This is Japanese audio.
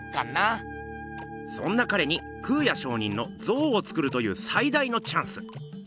そんなかれに空也上人の像をつくるという最大のチャンス！